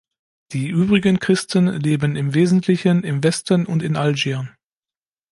Die übrigen Christen leben im Wesentlichen im Westen und in Algier.